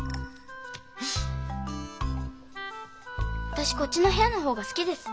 私こっちの部屋の方が好きです。